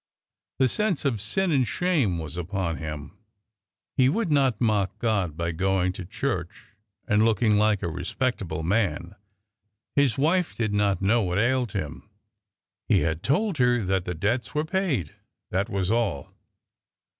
The sense of sin and shame was upon him; he would not mock God by going to church and looking like a respectable man. His wife did not know what ailed him. He had told her that the debts were paid that was all.